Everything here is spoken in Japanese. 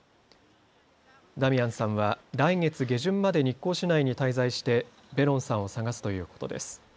ダミアンさんは来月下旬まで日光市内に滞在してベロンさんを捜すということです。